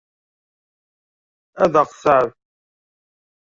Ad ɣ-tseɛef?